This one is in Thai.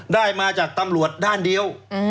ได้มาจากตำรวจด้านเดียว